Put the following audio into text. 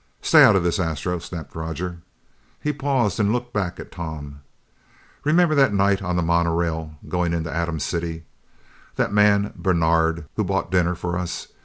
"Stay out of this, Astro!" snapped Roger. He paused and looked back at Tom. "Remember that night on the monorail going into Atom City? That man Bernard who bought dinner for us?